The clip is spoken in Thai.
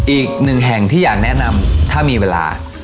อีกหนึ่งแห่งที่อยากแนะนำถ้ามีเวลา